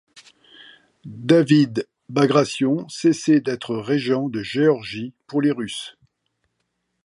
David Bagration cessait d'être régent de Géorgie pour les Russes.